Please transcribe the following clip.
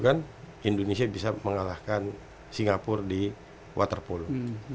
kan indonesia bisa mengalahkan singapura di water polo